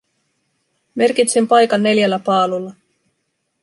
Merkitsin paikan neljällä paalulla.